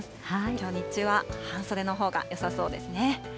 きょう日中は、半袖のほうがよさそうですね。